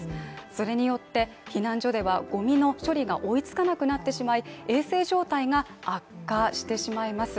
それによって避難所ではゴミの処理が追いつかなくなってしまい、衛生状態が悪化してしまいます。